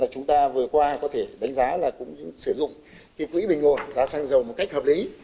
chúng ta vừa qua có thể đánh giá là cũng sử dụng quỹ bình ổn giá xăng dầu một cách hợp lý